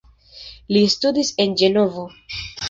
Li studis en Ĝenovo.